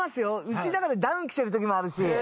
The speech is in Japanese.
家の中でダウン着てる時もあるし。